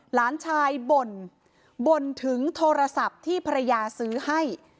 หลานชายบ่นบ่นถึงโทรศัพท์ที่ภรรยาซื้อให้